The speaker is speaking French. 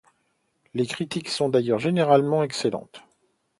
Les critiques sont d'ailleurs généralement excellentes.